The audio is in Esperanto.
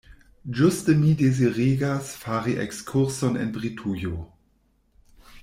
Ĝuste mi deziregas fari ekskurson en Britujo.